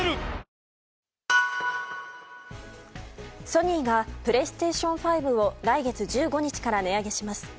ソニーがプレイステーション５を来月１５日から値上げします。